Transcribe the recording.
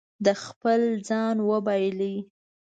ده خپل ځان وبایلو.